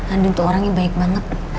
aduh tuh orangnya baik banget